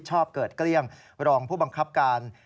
ชอบเกิดเกลี้ยงรองผู้บังคับการ